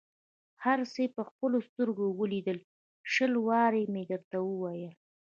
هر څه یې په خپلو سترګو ولیدل، شل وارې مې درته وویل.